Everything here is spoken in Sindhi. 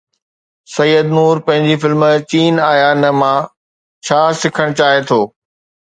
سيد نور پنهنجي فلم چين آيا نه مان ڇا سکڻ چاهي ٿو؟